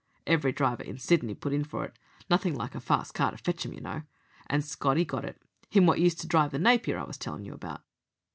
Every driver in Sydney put in for it. Nothing like a fast car to fetch 'em, you know. And Scotty got it. Him wot used to drive the Napier I was tellin' you about."